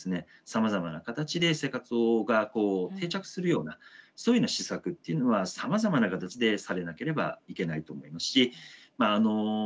さまざまな形で生活が定着するようなそういうような施策っていうのはさまざまな形でされなければいけないと思いますしま